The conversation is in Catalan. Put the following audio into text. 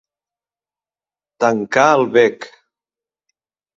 Tancar el bec.